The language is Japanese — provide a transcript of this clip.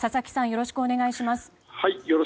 よろしくお願いします。